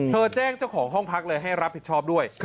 แจ้งเจ้าของห้องพักเลยให้รับผิดชอบด้วย